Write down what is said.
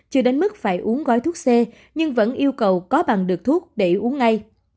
chưa đến mức phải uống gói thuốc c nhưng vẫn yêu cầu có bằng được thuốc để uống ngay